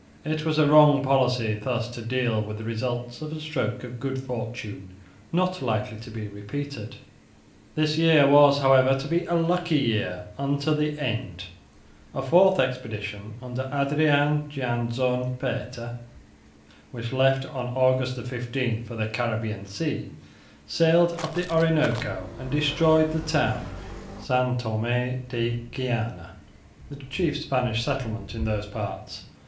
It was a wrong policy thus to deal with the results of a stroke of good fortune not likely to be repeated. This year was, however, to be a lucky year unto the end. A fourth expedition under Adrian Jansz Pater which left on August 15 for the Caribbean sea, sailed up the Orinoco and destroyed the town of San Thomé de Guiana, the chief Spanish settlement in those parts.